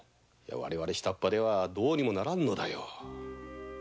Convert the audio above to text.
我々下っ端ではどうにもならんのだよ。